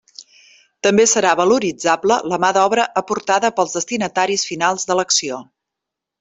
També serà valoritzable la mà d'obra aportada pels destinataris finals de l'acció.